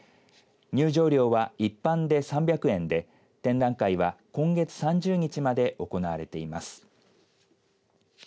入場料は一般で３００円で展覧会は今月３０日まで行われています。